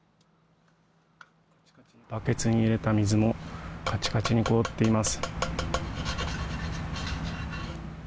バケツに入れた水もカチカチに凍っています。